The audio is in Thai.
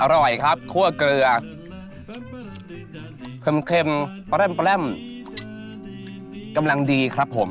อร่อยครับคั่วเกลือเค็มเค็มประแรมประแรมกำลังดีครับผม